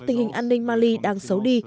tình hình an ninh mali đang xấu đi